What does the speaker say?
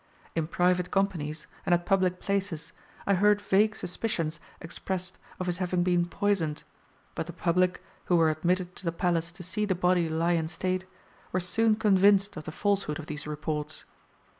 In private companies, and at public places, I heard vague suspicions expressed of his having been poisoned; but the public, who were admitted to the palace to see the body lie in state, were soon convinced of the falsehood of these reports.